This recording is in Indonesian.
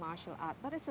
penceritakan sebagai seni